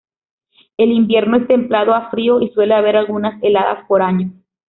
El invierno es templado a frío y suele haber algunas heladas por año.